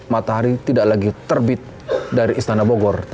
matahari tidak lagi terbit dari istana bogor